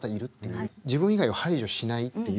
自分以外を排除しないっていう。